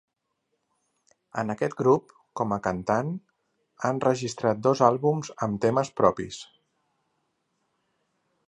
En aquest grup, com a cantant, ha enregistrat dos àlbums amb temes propis.